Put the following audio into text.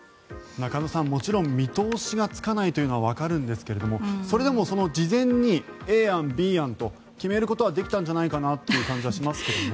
中野さん、もちろん見通しがつかないというのはわかるんですがそれでも事前にＡ案とＢ案と決めることはできたんじゃないかと思います。